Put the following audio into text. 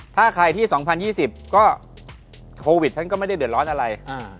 ถ้าใครที่๒๐๒๐ก็โควิดท่านก็ไม่ได้เดือดร้อนอะไร